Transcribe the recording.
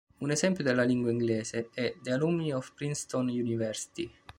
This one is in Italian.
Un esempio dalla lingua inglese è "the alumni of Princeton University.